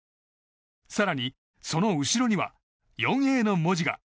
更にその後ろには４Ａの文字が。